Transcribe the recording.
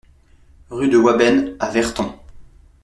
Rue de Waben à Verton